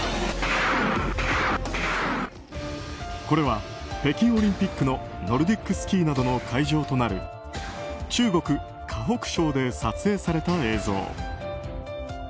これは北京オリンピックのノルディックスキーなどの会場となる中国・河北省で撮影された映像。